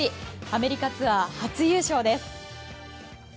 アメリカツアー初優勝です。